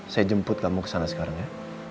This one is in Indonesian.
saya jemput kamu ke sana sekarang ya